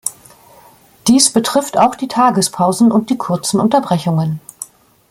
Dies betrifft auch die Tagespausen und die kurzen Unterbrechungen.